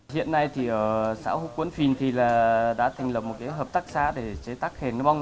hiện nay thì ở xã húc quấn phìn thì là đã thành lập một cái hợp tác xá để chế tác khen người mông